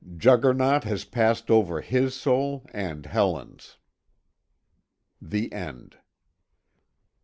Juggernaut has passed over his soul and Helen's. THE END.